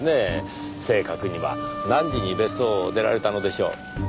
正確には何時に別荘を出られたのでしょう？